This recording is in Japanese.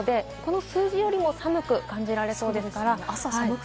この数字よりも寒く感じられそうです。